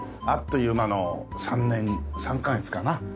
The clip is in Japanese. あっという間の３年３カ月かな？